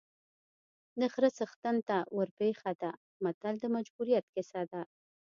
د خره څښتن ته ورپېښه ده متل د مجبوریت کیسه ده